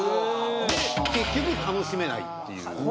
で結局楽しめないっていう。